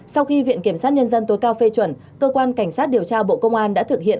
sau khi viện kiểm sát nhân dân tối cao phê chuẩn cơ quan cảnh sát điều tra bộ công an đã thực hiện